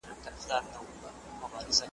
مثلاً د زیږیدو کال غلط لیکل.